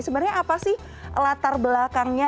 sebenarnya apa sih latar belakangnya